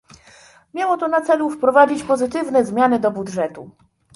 Miało to na celu wprowadzić pozytywne zmiany do budżetu